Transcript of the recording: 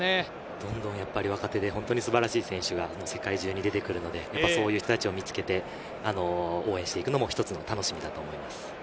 どんどん若手で素晴らしい選手が世界中に出てくるので、そういう人たちを見つけて、応援していくのも一つの楽しみだと思います。